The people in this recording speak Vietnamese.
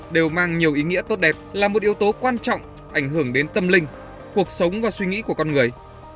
đều mang nhiều ý nghĩa tốt đẹp là một yếu tố quan trọng ảnh hưởng đến tâm linh cuộc sống và suy nghĩ của con người